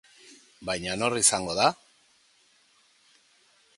Baina nor izango da?